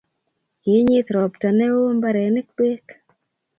kiinyit robta neoo mbarenik beek